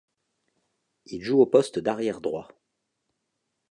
Il joue au poste d'arrière droit.